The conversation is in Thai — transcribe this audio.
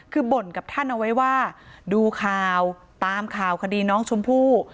คือบ่นกับท่านเอาไว้ว่าดูข่าวตามข่าวคดีน้องชมพู่